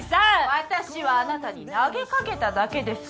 私はあなたに投げかけただけです。